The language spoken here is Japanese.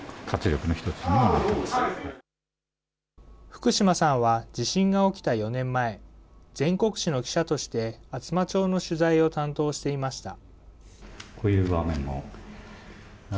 福島さんは、地震が起きた４年前、全国紙の記者として厚真町の取材を担当していました。